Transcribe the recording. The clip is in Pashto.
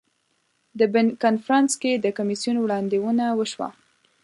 د بن کنفرانس کې د کمیسیون وړاندوینه وشوه.